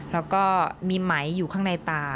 แล้วก็มีไหมอยู่ข้างในตา